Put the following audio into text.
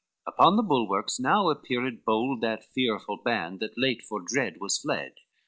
LVIII Upon the bulwarks now appeared bold That fearful band that late for dread was fled!